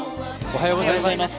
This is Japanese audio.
おはようございます。